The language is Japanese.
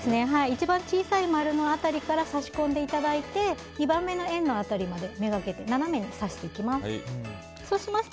一番小さい丸の辺りから差し込んでいただいて２番目の円の辺りをめがけて斜めに刺していきます。